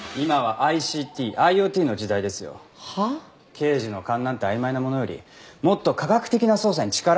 刑事の勘なんて曖昧なものよりもっと科学的な捜査に力を入れて。